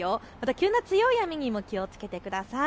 急な強い雨にも気をつけてください。